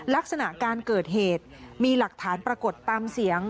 ลักษณะการเกิดเหตุมีหลักฐานปรากฏตามเสียง